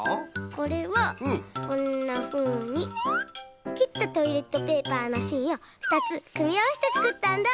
これはこんなふうにきったトイレットペーパーのしんをふたつくみあわせてつくったんだ。